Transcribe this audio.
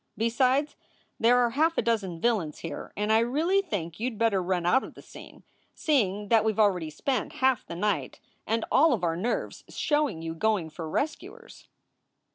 Besides, there are half a dozen villains here, and I really think you d better run out of the scene, seeing that we ve already spent half the night and all of our nerves showing you going for rescuers."